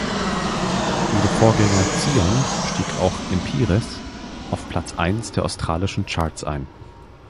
Wie der Vorgänger "Zion" stieg auch "Empires" auf Platz eins der australischen Charts ein.